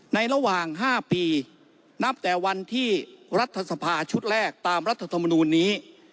ระหว่าง๕ปีนับแต่วันที่รัฐสภาชุดแรกตามรัฐธรรมนูลนี้